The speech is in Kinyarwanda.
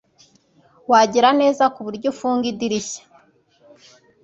Wagira neza kuburyo ufunga idirishya